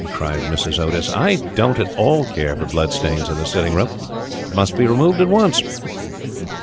cried Mrs. Otis; "I don't at all care for blood stains in a sitting room. It must be removed at once."